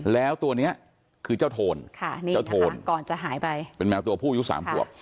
แล้วตัวเนี้ยคือเจ้าโทนค่ะนี่นะคะก่อนจะหายไปเป็นแมวตัวผู้อายุสามปี